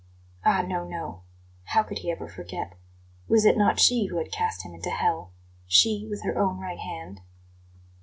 Ah, no, no! How could he ever forget? Was it not she who had cast him into hell she, with her own right hand?